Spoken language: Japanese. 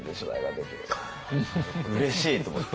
「うれしい！」と思って。